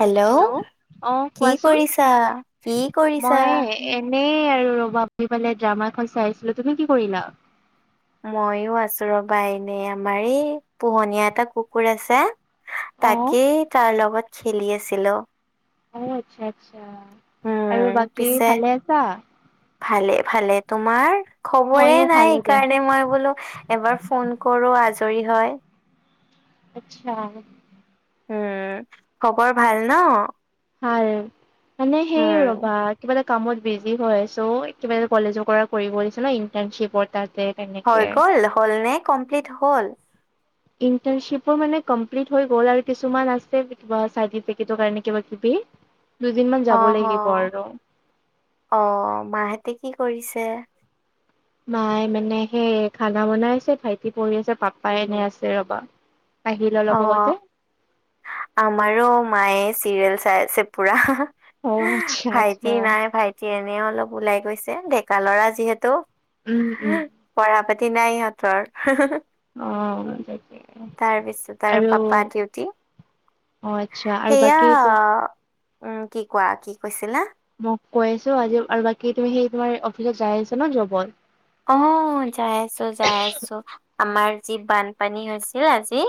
Hello অ কি কোৱাচোন কৰিছা, কি কৰিছা? মই এনেই আৰু ৰবা [unintelligible] ড্ৰামা খন চাইছিলো। তুমি কি কৰিলা? মইয়ো আছোঁ ৰ'বা এনে, আমাৰ এই পোহনীয়া এটা কুকুৰ আছে। অ তাকেই তাৰ লগত খেলি আছিলো। অ' আচ্ছা আচ্ছা, আৰু উম বাকী পিছে ভালে আছা? ভালে ভালে, তোমাৰ খবৰে ময়ো নাই ভালে দিয়া সেইকাৰণে মই বোলো এবাৰ ফোন কৰোঁ, আজৰি হয়। আচ্ছা। উম, খবৰ ভাল ন? ভাল মানে সেই উম ৰ'বা কিবা এটা কামত বিজি হয় আছোঁ, কিবা এটা কলেজৰ পৰা কৰিব দিছিলে ইণ্টাৰ্ণশ্বিপৰ তাতে। হৈ তেনেকে গ'ল, হ'ল নে? কমপ্লিট হ'ল? ইণ্টাৰ্ণশ্বিপৰ মানে কমপ্লিট হৈ গ'ল, আৰু কিছুমান আছে, কিবা চাৰ্টিফিকেটৰ কাৰণে কিবা-কিবি। [inaudible] অ' অ' অ', মাহঁতে কি কৰিছে? মায়ে মানে সেই খানা বনাই আছে, ভাইটি পঢ়ি আছে, পাপাই এনে আছে ৰ'বা। আহিল অলপ আগতে অ', আমাৰো মায়ে চিৰিয়েল চাই আছে পুৰা। অ আচ্ছা ভাইটি আচ্ছা নাই ভাইট সি এনে অলপ ওলাই গৈছে, ডেকা লৰা যিহেতু। উম উম পঢ়া-পাতি নাই ইহঁতৰ। অ', নাথাকে। তাৰ পিছত তাৰ পাপা ডিউটি। অ আচ্ছা আৰু সেয়া, বাকী উম--কি কোৱা? কি কৈছিলা? মোক কৈ আছোঁ আজি আৰু। বাকী তুমি সেই তোমাৰ অফিচত যাই আছা ন, জবত? আহ, যাই আছোঁ, যাই আছোঁ, আমাৰ যি বানপানী হৈছিল আজি।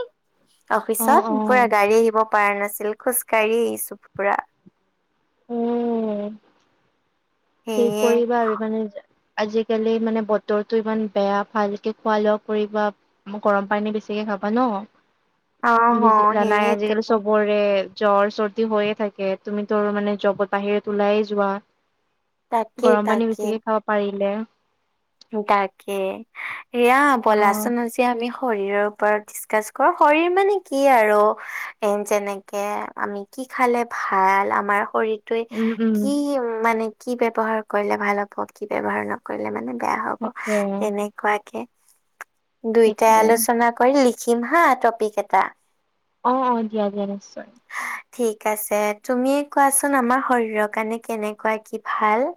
অফিচত পুৰা গাড়ী আহিব পাৰা নাছিল, খোজকাাঢ়ি আহিছো পুৰা। উম সেয়ে। কৰিবা আৰু মানে যে আজিকালি মানে বতৰটো ইমান বেয়া, ভালকে খোৱা-লোৱা কৰিবা। গৰম পানী বেছিকে খাবা ন, অ' হ বেছি জানাই সেয়েতো আজিকালি চবৰ জ্বৰ-চৰ্দি হৈয়ে থাকে, তুমিতো মানে জবত বাহিৰত ওলাইয়ে যোৱা। তাকে গৰম পানী তাকে। বেছিকে খাবা পাৰিলে। তাকে, ৰিয়া অ ব'লাচোন আজি এতিয়া আমি শৰীৰৰ ওপৰত ডিচকাছ কৰোঁ। শৰীৰ মানে কি আৰু এ যেনেকে আমি কি খালে ভাল আমাৰ শৰীৰ ত উম উম কি মানে কি ব্যৱহাৰ কৰিলে ভাল হ'ব কি ব্যৱহাৰ নকৰিলে মানে বেয়া হব তাকে তেনেকুৱাকে দুইটাই সেইটোৱে আলোচনা কৰিলি [unintelligible] টপিক এটা অ অ দিয়া দিয়া নিশ্চয় ঠিক আছে তুমিয়ে কোৱাচোন আমাৰ শৰীৰৰ কাৰণে কেনেকুৱা কি ভাল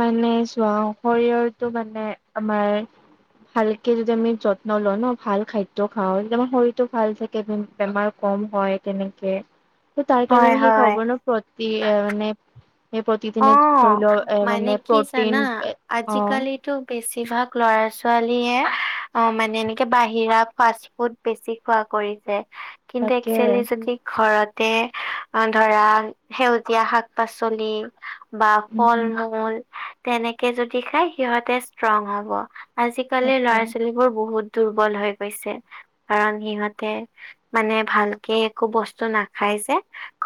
মানে চোৱা শৰীৰৰটো মানে আমাৰ ভালকে যদি আমি যত্ন লওঁ ন ভাল খাদ্য খাওঁ [unintelligible] আমাৰ শৰীৰতটো ভাল থাকে বেমাৰ কম হয় তেনেকে [inaudible] তাৰ কাৰণে আমি সেই হয় খবৰ নো প্ৰতি মানে প্ৰতিদিনে ধৰিল মনে কিছ ন আজিকালি এইটো বেছিভাগ ল'ৰা ছোৱালীয়ে অ মানে এনেকে বাহিৰা বহুত বেছি খোৱা কৰিছে কিন্তু তাকে একচুৱেলি যদি ঘৰতে অ ধৰা সেউজীয়া শাক পাচলি বা উম, ফল মূল তেনেকে যদি খাই সিহতে ষ্ট্ৰং হ'ব আজিকালিৰ তাকে ল'ৰা ছোৱালীবোৰ বহুত দুৰ্বল হৈ গৈছে কাৰণ সিহঁতে মানে ভালকে একো বস্তু নাখাই যে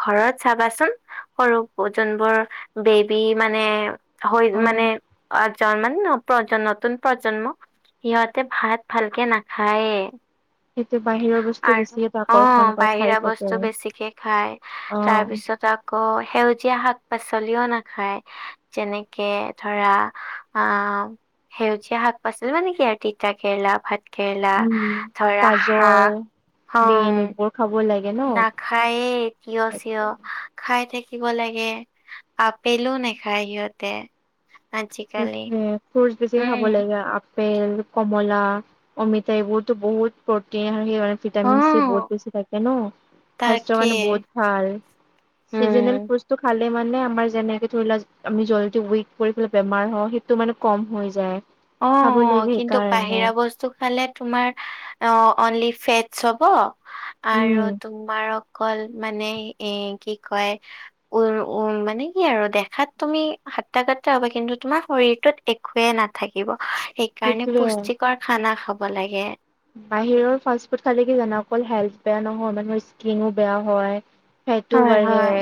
ঘৰত চাবাচোন সৰু জন বোৰ বেবি মানে হৈ অ, মানে [unintelligible] মানে [unintelligible] নতুন প্ৰজন্ম সিহঁতে ভাত ভালকে নাখায়ে সেইটো বাহিৰৰ বস্তু আ বেছিকে ত অ আকৰ্ষণ কৰে খাই বাহিৰা থাকে। বস্তু বেছিকে খাই অ, তাৰপিছত আকৌ সেউজীয়া শাক পাচলিও নাখায় যেনেকে ধৰা আহ সেউজীয়া শাক পাচলি মানে কি আৰু তিতা কেৰেলা ভাত কেৰেলা উম, ধৰা হা অ হ'ব লাগে ন। নাখায়ে টিয়হ তাকে চিয়হ খাই থাকিব লাগে আপেলো নেখায় সিহঁতে আজিকালি [unintelligible] ফ্ৰুট বেছি খাব উম, লাগে আপেল কমলা অমিতা এইবোৰতো বহুত প্ৰটিন [unintelligible] ভিটামিন চি অ', বহুত বেছি থাকে ন স্বাস্থ্যৰ তাকে কাৰণে বহুত ভাল চিজনেল উম, ফুটো খালে মানে আমাৰ যেনেকে ধৰি লোৱা আমি জল [unintelligible] কৰি বেমাৰ হ সেইটো মানে কম হৈ যায় অ খাব অ লাগে কিন্তু সেইকাৰণে বাহিৰা বস্তু খালে তোমাৰ অ অনলি ফেটচ হ'ব আৰু উম। তোমাৰ অকল মানে এ কি কয় উ উ মানে কি আৰু দেখাত তুমি হাতটাগাতটা হবা কিন্তু তোমাৰ শৰীৰটোত একয়ে নথাকে থাকিব সেইকাৰণে সেইটোৱে পুষ্টিকৰ খানা খাব লাগে বাহিৰৰ ফাষ্ট ফুড খালে কি জানা অকল হেল্থ বেয়া নহয় মানুহৰ স্কিনো বেয়া হয় ফেটো হয়, বাঢ় হয়,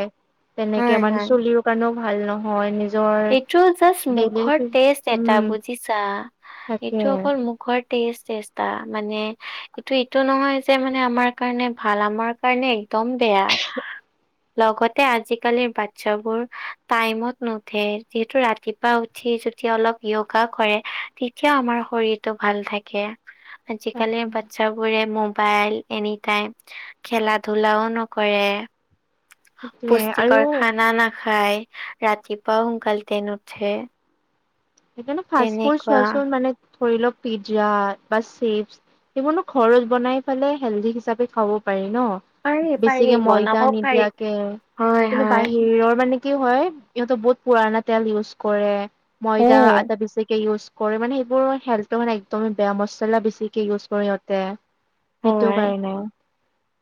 তেনেকে হয়, মানে হয়। চলিৰ কাৰণেও ভাল নহয় নিজ এইটো জাষ্ট মুখৰ টেষ্ট এটা উম বুজিছা এইটো তাকে অকল মুখ মুখৰ টেষ্ট [unintelligible] মানে এইটো এইটো নহয় যে মানে আমাৰ কাৰণে ভাল আমাৰ কাৰণেই একদম বেয়া লগতে আজিকালিৰ বাচ্ছাবোৰ টাইমত নো- উঠে যিহেতু ৰাতিপুৱা উঠি যদি অলপ যোগা কৰে তেতিয়া আমাৰ শৰীৰ- টো ভাল থাকে আজিকালি তাকে বাচ্ছা- বোৰে মোবাইল এনিটাইম খেলা ধূলাও নকৰে। সেইটোৱে পুষ্টিকৰ আৰু খানা নাখায় ৰাতি। পুৱাও সোণকালে নুঠে। সেইকাৰণে ফাচ ফুড তেনেকুৱা চোৱাচোন মানে ধৰি লওক পিজ্জা বা চিপছ্- সেইবোৰ ঘৰত বনাই পেলে হেল্ডি হিচাপে খাব পাৰি ন। পাৰি পাৰি বেছিকে ময়দা বনাব পাৰি নিদিয়াকে হয় কিন্তু হয় বাহিৰৰ মানে- কি হয় ইহঁত বহুত পুৰণা তেল ইউজ কৰে ময়দা উম আটা বেছিকে ইউজ- কৰি মানে সেইবোৰ হেল্থটো মানে একদমে বেয়া মচলা বেছিকে ইউজ কৰে সিহঁতে। অ সেইটো আই, কাৰণে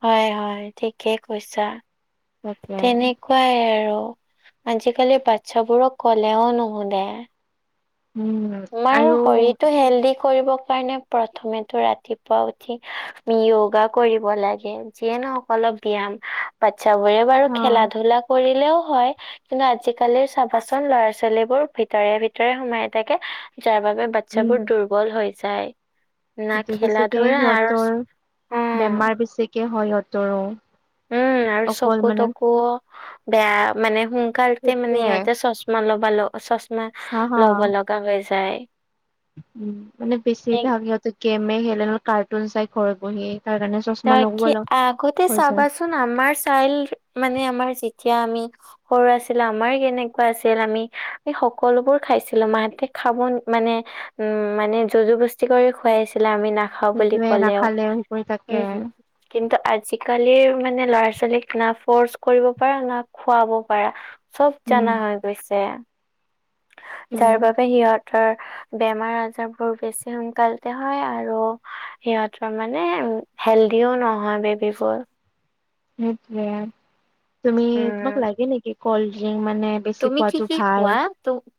হয় হয় হয় ঠিকেই কৈছা, তাকে তেনে- কুৱাই আৰু আজিকালি বাচ্ছাবোৰক ক'লেও নুশুনে। উম। আমাৰ আৰু শৰীত। ত' হেল্ডি কৰিবৰ কাৰণে প্ৰথমেতো ৰাতিপুৱা উঠি আমি য়োগা কৰিব লাগে। যিয়ে নহক অলপ ব্যাম বাচ্ছা বোৰে বাৰু অ খেলা-ধূলা কৰি। হ'লেও হয় কিন্তু আজিকালিৰ চাবাচোন ল'ৰা-ছোৱালী বোৰ ভিতৰে ভিতৰে সোমাই থা- থাকে যাৰ বাবে উম বাচ্ছাবোৰ দুৰ্বল হৈ যায় না এইটো খেলা বেছিকে ধূলা আৰু- সিহঁতৰ অ বেমাৰ বেছিকে হয় সিহঁতৰ অঁ' উম আৰু চকু তকু বেয়া মানে সোনকালতে মানে সেইটোৱে সিহঁতে চচ- মা লবা লো চচমা হা হা ল'ব লগা হৈ যায়। উম মানে বেছি এক- ভাগ সিহঁত গেমে খেলে কাৰ্টুন চাই ঘৰত বহি তাৰ কাৰণে- চশমা তাকে লগোৱা আগতে হৈ যায় চাবাচোন আমাৰ চাইল্ড মানে আমাৰ যেতিয়া আমি- সৰু আছিলো আমাৰ কেনেকুৱা আছিল আমি সকলোবোৰ খাইছিলো মাহঁতে খাবৰ মানে- উম মানে যোৰ জোৰদস্তি কৰি খুৱাইছিলে আমি না- সেইটোৱে নাখালে সেই কৰি থাকে আৰু। কিন্তু আজিকালিৰ মানে ল'ৰা ছোৱালীক না ফৰ্চ কৰিব পাৰা না খুৱাব পাৰা। চব উম। জানা হৈ গৈছে। যাৰ বাবে সিহঁতৰ বেমাৰ আজাৰ বোৰ বেছি সোনকালতে হয় আৰু- সিহঁতৰ মানে হেলডিও নহয় বেবীবোৰ। সেইটোৱে, তুমি তোমাক উম। লাগে নেকি কল্ড ড্ৰিংক মানে- বেছি তুমি কি খোৱাটো কি খোৱা? ভাল।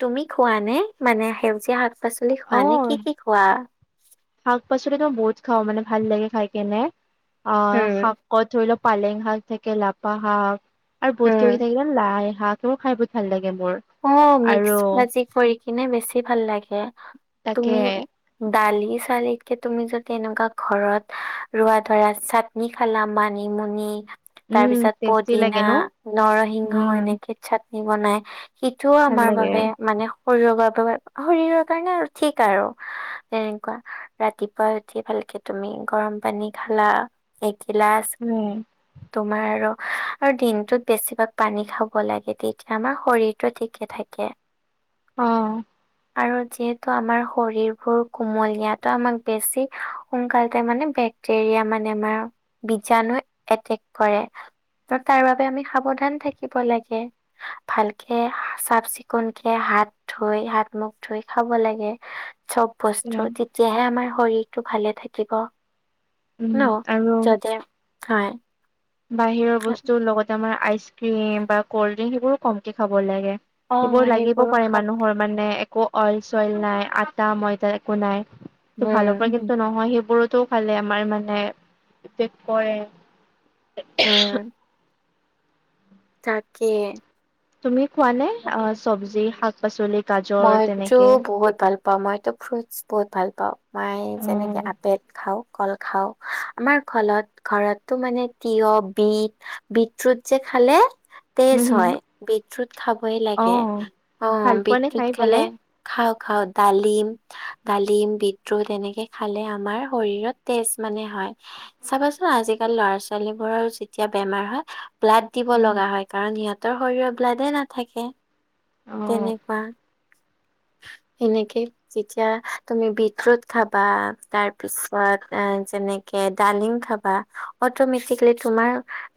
তুমি খোৱা নে মানে সেউজীয়া শাক-পাচলি খোৱা নে কি কি খোৱা? শাক-পাচলিতটো বহুত খাওঁ মানে ভাল লাগে খাই কিনে আহ উম, শাক- কত ধৰি লও পালেং শাক থাকে লফা শাক আৰু বহুত উম। কিবা কিবি থাকে লাই শাক- সেইবোৰ খাই বহুত ভাল লাগে মোৰ। অ মিক্স আৰু ভাজি কৰি কিনে বেছি ভাল লাগে। তাকে তুমি- দালি ছালিতকে তুমি যদি এনেকুৱা ঘৰত ৰুৱা ধৰা চাত- নি খালা। মানিমুনি, উম, তাৰপিছত টেষ্টি পদিনা, লাগে ন? নৰসিংহ, উম, এনেকে- চাটনি বনাই সেইটোও ভাল আমাৰ লাগে। বাবে মানে- শৰীৰৰ বাবে শৰীৰৰ কাৰণে আৰু ঠিক আৰু তেনেকুৱা। ৰাতিপুৱা উঠি ভালকে তুমি গৰম পানী খালা। এক গিলাচ। উম, তোমাৰ আৰু আৰু দিনটোত বেছিভাগ পানী খাব লাগে তেতিয়া আমাৰ শৰীৰ- টো ঠিকে থাকে অ আৰু যিহেতু আমাৰ শৰীৰবোৰ কোমলীয়াটো আমাক বেছি সোনকালতে মানে বে বেক্টেৰিয়া মানে আমাৰ বীজাণু এটেক কৰে তাৰ বাবে আমি সাৱধান থাকিব লাগে ভাল কে চাফ'চিকুণ কে হাত ধুই হাত মুখ ধুই খাব লাগে চব বস্তু তেতিয়াহে আমাৰ শৰীৰটো ভালে থাকিব উম, ন আৰু যদি হয় বাহিৰৰ বস্তুৰ লগতে আমাৰ আইচক্ৰীম বা কল্ড ড্ৰিংক সেইবোৰো কমকে খাব লাগে অ এইবোৰ লাগিব সেইবোৰো পাৰে খাব মানুহৰ মানে একো অইল চইল নাই আটা ময়দা একো নাই ত ভালৰ পৰা উম কিন্তু নহয় সেইবোৰতো খালে আমাৰ মানে এফেক্ট কৰে উম তাকে তুমি খোৱানে অ চব্জি শাক পাচলি গাজৰ মইতো তেনেকে? বহুত ভাল প প মইতো ফ্ৰুটছ বহুত ভাল পাওঁ মই যেনেকে অ' আপেল খাওঁ কল খাও আমাৰ ঘলত ঘৰতটো মানে তিঁয়হ বিট বিত ফ্ৰুট যে খালে তেজ হম হম হয় বিত ফ্ৰুট খাবই লাগে অ ভাল পোৱা বিত নে খাই ফ্ৰুট খালে পেলাই? খাও খাও ডালিম ডালিম বিট ফ্ৰুট এনেকে খালে আমাৰ শৰীৰত তেজ মানে হয় চাবাচোন আজিকালি ল'ৰা ছোৱালী বোৰৰ যেতিয়া বেমাৰ হয় ব্লাড দিব লগা হয় কাৰণ সিহঁতৰ শৰীৰত ব্লাডেই নাথাকে অ' তেনেকুৱা এনেকে যেতিয়া তুমি বিত ফ্ৰুট খাবা তাৰ পিছত অ যেনে ডালিম খাবা অটমেটিকেলি তোমাৰ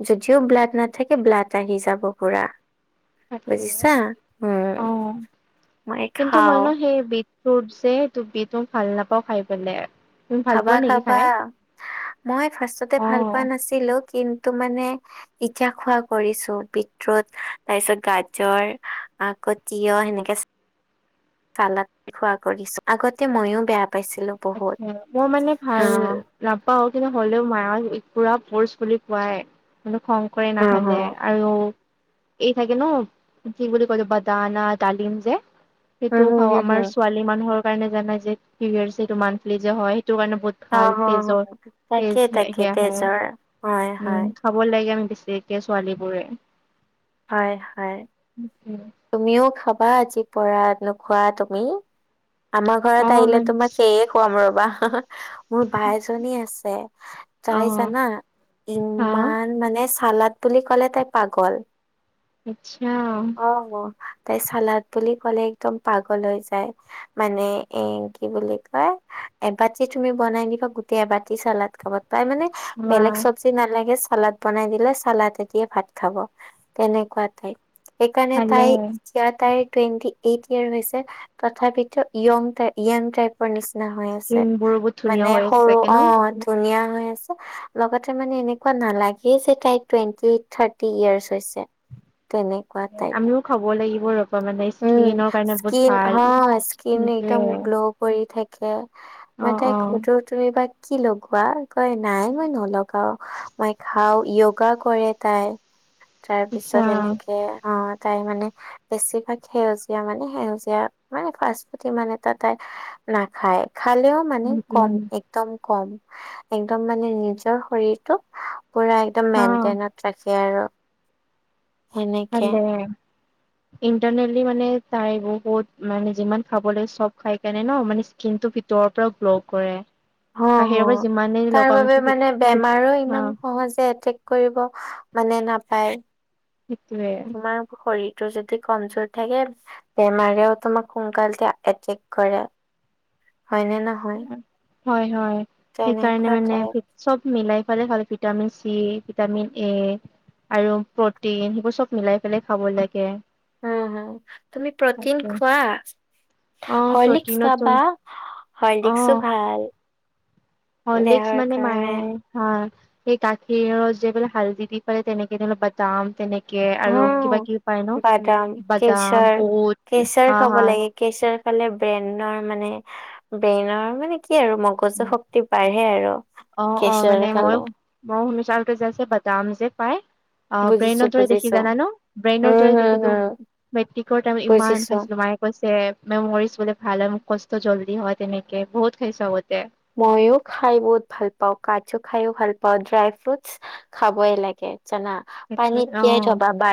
যদিও ব্লাড নাথাকে ব্লাড আহি যাব পুৰা তাকে বুজিছা উম অ' মই কিন্তু খাও মইনো সেই বিট ফ্ৰুট যে বিট ম‌ই ভাল নাপাওঁ খাই পেলাই তুমি ভাল খাবা পোৱা নেকি খাবা খাই? মই ফাৰ্ষটতে ভাল পোৱা অ', নাছিলো কিন্তু মানে ইতিয়া খোৱা কৰিছো বিত ফ্ৰুট তাৰপিছত গাজৰ আকৌ তিয়হ সেনেকে চালাত খোৱা কৰিছো আগতে মইও বেয়া পাইছিলো বহুত আচছা মই মানে অ ভাল নাপাও কিন্তু হলেও মায়া পুৰা ফৰ্চ কৰি খোৱাই কিন্তু খং কৰে অ হ নাখালে আৰু এই থাকে ন কি বুলি কয় বাদানা ডালিম যে উম সেইটোও হম খাওঁ হম হম আমাৰ ছোৱালী মানুহৰ কাৰণে জানাই যে সেটো পিৰিয়েড্চ মান্থলি যে হয় সেইটো কাৰণে বহু খাল তেজ অ' তাকে তেজ তাকে সেহে তেজৰ হয় উম হয় খাব লাগে আমি বেছিকে ছোৱালী বোৰে হয় হয় উম উম তুমিও খাবা আজি পৰা নোখোৱা তুমি আমাৰ ঘৰত অ', আহিলে মানে তোমাক সেয়ে খোৱাম ৰবা মোৰ বাই এজনী আছে তাই অ', জানা হা ইমান মানে চালাদ বুলি ক'লে তাই পাগল আচ্ছা অ তাই চালাদ বুলি ক'লে একদম পাগল হৈ যায়। মানে এ কি বুলি কয় এবাতি তুমি বনাই নিবা গোটেই এবতি চালাত- তাই মানে ৱাহ বেলেগ চব্জি নালাগে চালড বনাই দিলে চালাতে দিয়ে ভাত খাব তেনেকুৱা টাই সেইকাৰণে- ভালে তাইৰ ইয়াৰ তাইৰ টুৱেণ্টি এইট ইয়েৰ হৈছে তথাপিতো য়ং য়ং টাইপ ৰ নিচিনা হৈ স্কিন আছে বোৰ বহুত ধুনীয়া মানে হৈ আছে সৰু চাগে অ ন? ধুনীয়া হৈ আছে। লগতে মানে এনেকুৱা নালাগে যে তাইৰ টুৱেন্টি এইট থাৰ্তী ইয়াৰ হৈছে। তেনে আমিও খাব লাগিব ৰপা মানে উম, স্কিনৰ কাৰণে বহুত স্কিন ভাল সেইটোয়ে। পৰি থাকে মই তাই সোধোঁ তুমি বা কি লগোৱা। কই নাই মই নলগাও মই খাওঁ য়োগা কৰে তাই তাৰ পিছত আচ্ছা এনেকে অ তাই মানে বেছিভাগ সেউজীয়া মানে সেউজীয়া মানে ফচ ফুড ইমান এটা তাই নাখায় খালেও। মানে উম কম উম একদম কম একদম মানে নিজৰ শৰীৰটো। পুৰা একদম অ মেইনটেইনত ৰাখে আৰু সেনেকে। ভালেই - ইণ্টাৰনেলি মানে তাই বহুত মানে যিমান খাব লাগ চব খাই কেনে ন মানে কিন্তু ভিতৰৰ পৰাৰ পৰা গ্ল' কৰে। অ', হ বাহিৰৰ পৰা যিমানে তাৰ লগাও আমি বাবো কি মানে বেমাৰো অ ইমান সহযে এতেক- কৰিব মানে নাপায় সেইটোৱে তোমাৰ শৰীৰটো যদি কমজোৰ থাকে বেমাৰেও তোমাক সোনকালতে এটেক কৰে হয়নে নহয়। হয় হয় সেইকাৰণে তেনেকুৱা মানে টাইপ চব মিলাই ফালে ভালে ভিটামিন চি ভিটামিন এ। আৰু প্ৰটিন সেইবোৰ চব মিলাই পেলাই খাব লাগে। উ তুমি প্ৰটিন তাকে খোৱা অ হৰলিক্স প্ৰটিনত খাবা। হৰলিক্স ও ভাল। হলিক্স দেহৰ মানে কাৰণে মায়ে। হা এই গাখীৰৰ‌, যে পোলে হাল্দি দি পৰে তেনে কি ব বাদাম, তেনে- তে আৰু কিবা অ', কিবি পায় ন বাদাম, বাদাম বুট হা হা কেচাৰ ফালে ব্ৰেনৰ মানে ব্ৰেইনৰ মানে কি আৰু মগজ বজ্ৰ শক্তি বাঢ়ে আৰু অ অ কেচৰ মানে খালে। মই শুনিছোঁ আৰু জে বদাম যে পায় অ', বুজিছো ব্ৰেইনৰ দৰে দেখি বুজিছো, জানা ন ব্ৰেইনৰ উম, দৰে হম, দেখো হম, মেট্ৰিকৰটাইম ইমান বুজিছো। খাইছিলোঁ মায়ে কৈছে মেমৰিজ বোলে ভাল হয় মোক কষ্ট জল্দি হয় তেনেকে বহুত খাইছা আগতে। মইও খাই বহুত ভাল পাওঁ কাজু, খাইও ভাল পাওঁ ড্ৰাই, ফ্ৰুটছ খাবই লাগে জানা পানীত তিয়াই অ থবা বা